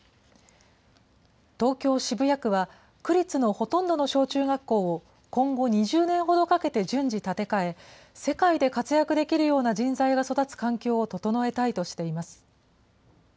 東京・渋谷区は区立のほとんどの小中学校を、今後２０年ほどかけて順次建て替え、世界で活躍できるような人材が育つ環境を整えたいとしています。